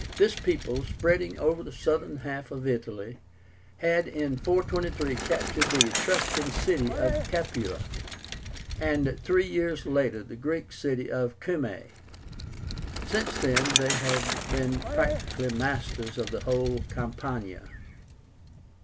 This people, spreading over the southern half of Italy, had in 423 captured the Etruscan city of CAPUA, and three years later the Greek city of CUMAE. Since then they had been practically masters of the whole of Campania.